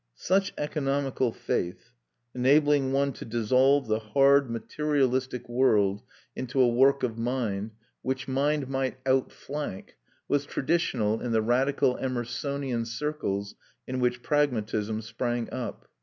] Such economical faith, enabling one to dissolve the hard materialistic world into a work of mind, which mind might outflank, was traditional in the radical Emersonian circles in which pragmatism sprang up.